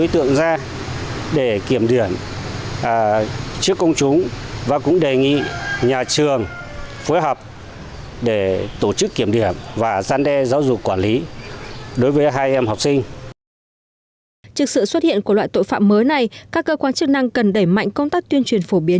trước sự xuất hiện của loại tội phạm mới này các cơ quan chức năng cần đẩy mạnh công tác tuyên truyền phổ biến